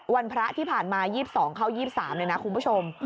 พระที่ผ่านมา๒๒เข้า๒๓เลยนะคุณผู้ชม